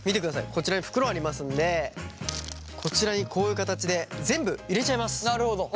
こちらに袋ありますんでこちらにこういう形で全部入れちゃいます。